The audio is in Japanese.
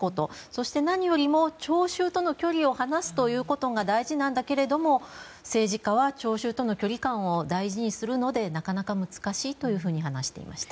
そして何より聴衆との距離を離すことが大事なんだけれども政治家は聴衆との距離感を大事にするので、なかなか難しいと話していました。